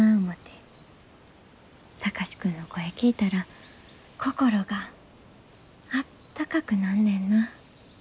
貴司君の声聞いたら心があったかくなんねんな。